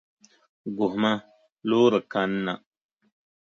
Guhima, loori kanna.